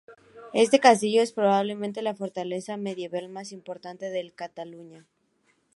Este castillo es probablemente la fortaleza medieval más importante de Cataluña.